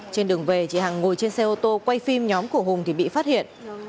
trên đường về chị hằng ngồi trên xe ô tô quay phim nhóm của hùng thì bị phát hiện